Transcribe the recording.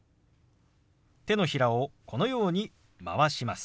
手のひらをこのように回します。